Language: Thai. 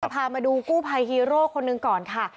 พามาดูกู้ภัยฮีโร่คนหนึ่งก่อนค่ะ